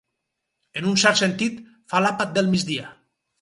En un cert sentit, fa l'àpat del migdia.